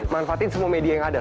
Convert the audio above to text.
manfaatin semua media yang ada